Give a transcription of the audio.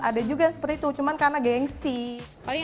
ada juga seperti itu cuma karena gengsi